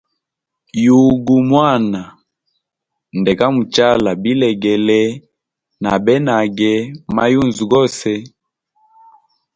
Yugu mwana ndeka muchala bilegele na benage ma yunzu gose.